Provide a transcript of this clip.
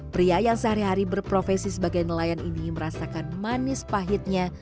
pria yang sehari hari berprofesi sebagai nelayan ini merasakan manis pahitnya